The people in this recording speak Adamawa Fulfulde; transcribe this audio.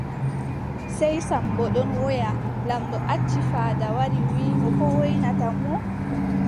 Sey Sammbo ɗon woya, laamɗo acci faada wari, wiʼi mo ko woynata mo.